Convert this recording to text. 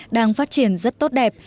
đang phát triển rất tốt đẹp